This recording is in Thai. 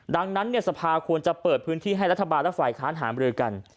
ดังนั้นสภาควรจะเปิดพื้นที่ให้รัฐบาลและฝ่ายค้านหามรือกัน